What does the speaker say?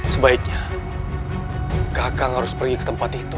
cah kang harus pergi ke tempat itu